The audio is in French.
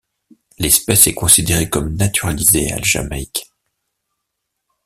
L'espèce est considérée comme naturalisée à la Jamaïque.